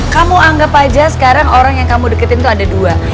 kamu anggap aja sekarang orang yang kamu deketin tuh ada dua